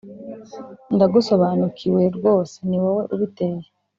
ndagusobanukiwe rwose niwowe ubiteye.